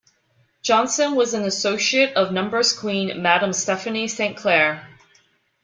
Johnson was an associate of numbers queen Madame Stephanie Saint Clair.